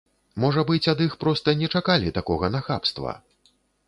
Можа быць, ад іх проста не чакалі такога нахабства?